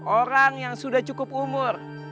orang yang sudah cukup umur